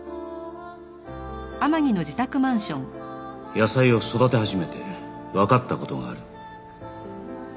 野菜を育て始めてわかった事がある